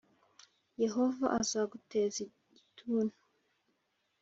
Yehova azaguteza igituntu